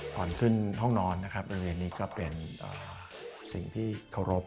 ตอนขึ้นห้องนอนนะครับบริเวณนี้ก็เป็นสิ่งที่เคารพ